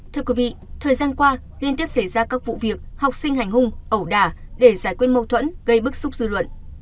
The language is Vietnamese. thưa quý vị thời gian qua liên tiếp xảy ra các vụ việc học sinh hành hung ẩu đà để giải quyết mâu thuẫn gây bức xúc dư luận